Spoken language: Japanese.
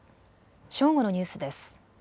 正午のニュースです。